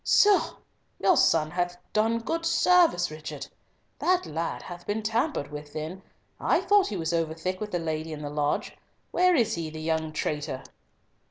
Soh! your son hath done good service, Richard. That lad hath been tampered with then, I thought he was over thick with the lady in the lodge. Where is he, the young traitor?"